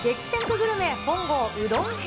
グルメ本郷うどん編。